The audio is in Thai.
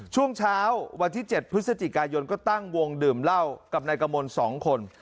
ช่วงเช้าวันที่๗พฤศจิกายนก็ตั้งวงดื่มเหล้ากับนายกมล๒คน